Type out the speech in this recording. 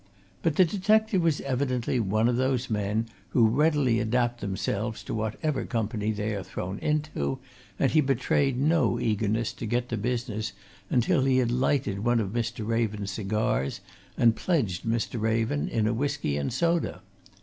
But the detective was evidently one of those men who readily adapt themselves to whatever company they are thrown into, and he betrayed no eagerness to get to business until he had lighted one of Mr. Raven's cigars and pledged Mr. Raven in a whisky and soda.